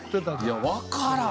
いやわからんな。